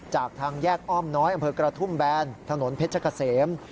จากทางแยกอ้อมน้อยอำเภอกระทุ่มแบนถนนเพชรเกษม